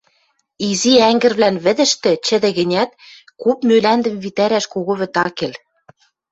Изи ӓнгӹрвлӓн вӹдӹштӹ чӹдӹ гӹнят, куп мӱлӓндӹм витӓрӓш кого вӹд ак кел.